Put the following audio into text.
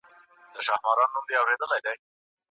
په خريد او فروش کي دوکه کول ناروا عمل دی.